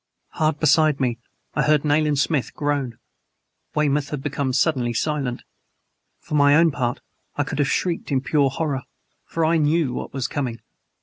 Hard beside me I heard Nayland Smith groan, Weymouth had become suddenly silent. For my own part, I could have shrieked in pure horror. FOR I KNEW WHAT WAS COMING.